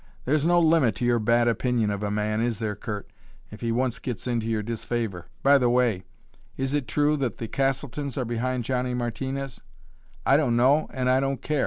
"There's no limit to your bad opinion of a man, is there, Curt, if he once gets into your disfavor? By the way, is it true that the Castletons are behind Johnny Martinez?" "I don't know, and I don't care.